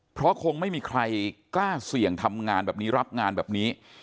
เพราะคงไม่มีใครกล้าเสี่ยงทำงานแบบนี้รับงานแบบนี้